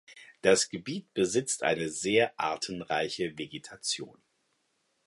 Das Gebiet besitzt eine sehr artenreiche Vegetation.